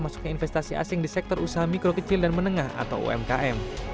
masuknya investasi asing di sektor usaha mikro kecil dan menengah atau umkm